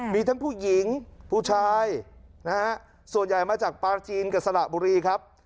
มีทั้งผู้หญิงผู้ชายนะฮะส่วนใหญ่มาจากปลาจีนกับสระบุรีครับ